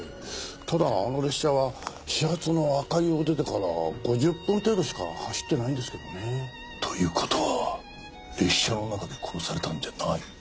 ただあの列車は始発の赤湯を出てから５０分程度しか走ってないんですけどね。という事は列車の中で殺されたんじゃない？